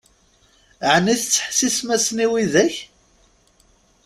Ɛni tettḥessisem-asen i widak?